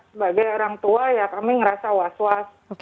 sebagai orang tua ya kami ngerasa was was